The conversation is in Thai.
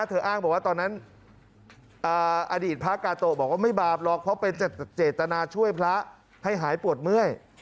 อ้างบอกว่าตอนนั้นอดีตพระกาโตะบอกว่าไม่บาปหรอกเพราะเป็นเจตนาช่วยพระให้หายปวดเมื่อย